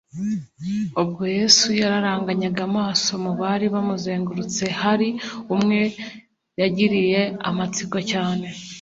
ubwo yesu yararanganyaga amaso mu bari bamuzengurutse, hari umwe yagiriye amatsiko cyane